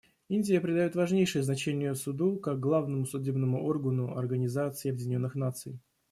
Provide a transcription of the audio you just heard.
Индия придает важнейшее значение Суду как главному судебному органу Организации Объединенных Наций.